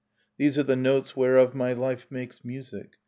. These are the notes whereof my life makes music.